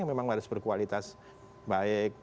memang harus berkualitas baik